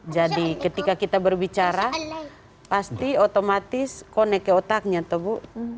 jadi ketika kita berbicara pasti otomatis connect ke otaknya tuh bu